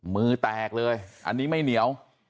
มือแตกเลยอันนี้ไม่เหนียว